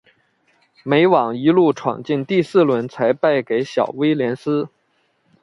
美网一路闯进第四轮才败给小威廉丝。